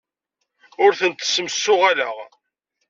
Ur tent-ssemsuɣaleɣ.